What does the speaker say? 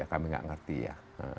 kami nggak ngerti ya